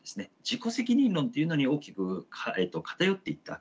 自己責任論というのに大きく偏っていった。